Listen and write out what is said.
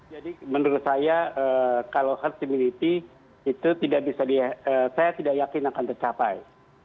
jadi menurut saya kalau herd immunity itu tidak bisa saya tidak yakin akan tercapai